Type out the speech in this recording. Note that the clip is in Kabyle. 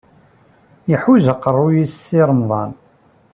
Ihuzz aqeṛṛuy-is Si Remḍan.